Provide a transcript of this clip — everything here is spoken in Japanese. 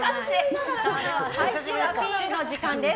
最終アピールの時間です。